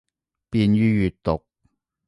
便于阅读